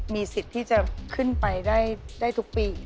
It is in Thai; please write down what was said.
มีสิทธิ์ที่จะขึ้นไปได้ทุกปี